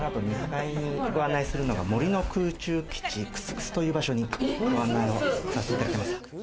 ２階にご案内するのが森の空中基地くすくすという場所にご案内をさせていただきます。